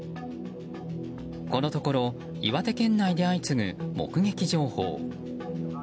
このところ岩手県内で相次ぐ目撃情報。